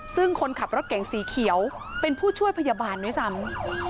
ซึ่งคนขับรถเก่งสีเขียวเป็นผู้ช่วยพยาบาลด้วยซ้ำ